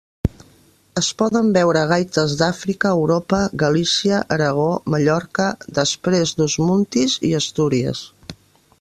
Es poden veure gaites d'Àfrica, Europa, Galícia, Aragó, Mallorca, Després d'ús Muntis i Astúries.